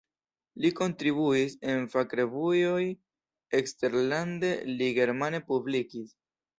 Li kontribuis en fakrevuoj, eksterlande li germane publikis.